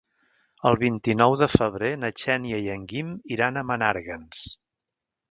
El vint-i-nou de febrer na Xènia i en Guim iran a Menàrguens.